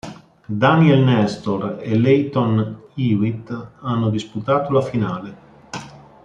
Daniel Nestor e Lleyton Hewitt non hanno disputato la finale.